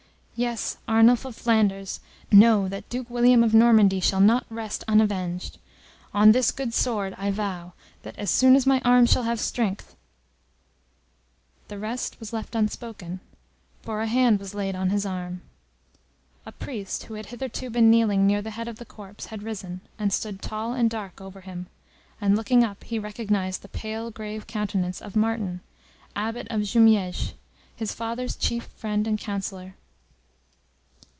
"Yes, Arnulf of Flanders, know that Duke William of Normandy shall not rest unavenged! On this good sword I vow, that, as soon as my arm shall have strength " The rest was left unspoken, for a hand was laid on his arm. A priest, who had hitherto been kneeling near the head of the corpse, had risen, and stood tall and dark over him, and, looking up, he recognized the pale, grave countenance of Martin, Abbot of Jumieges, his father's chief friend and councillor.